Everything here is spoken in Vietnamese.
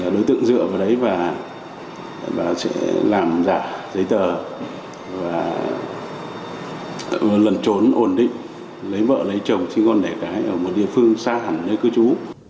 đối tượng dựa vào đấy và sẽ làm giả giấy tờ và lần trốn ổn định lấy vợ lấy chồng sinh con đẻ cái ở một địa phương xa hẳn nơi cư trú